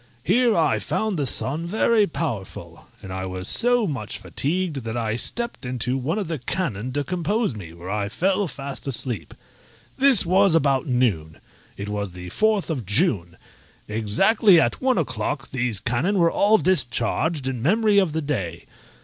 Here I found the sun very powerful, and I was so much fatigued that I stepped into one of the cannon to compose me, where I fell fast asleep. This was about noon: it was the fourth of June; exactly at one o'clock these cannon were all discharged in memory of the day.